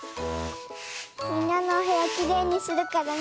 みんなのおへやきれいにするからね。